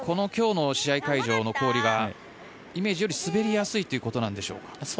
今日の試合会場の氷はイメージより滑りやすいということなんでしょうか。